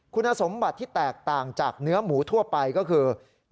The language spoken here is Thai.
คุณสมบัติที่แตกต่างจากเนื้อหมูทั่วไปก็คือ